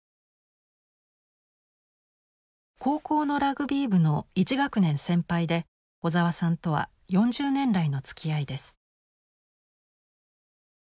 高校のラグビー部の１学年先輩で小沢さんとは４０年来のつきあいです。